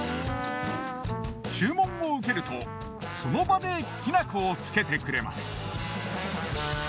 注文を受けるとその場できな粉をつけてくれます。